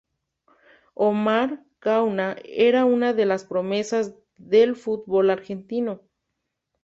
Omar Gauna era una de las promesas del fútbol argentino.